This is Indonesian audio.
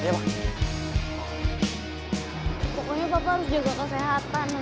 pokoknya bapak harus jaga kesehatan